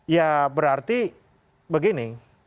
ya berarti begini